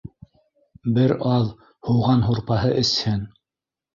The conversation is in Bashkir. Бер аҙ һуған һурпаһы эсһен.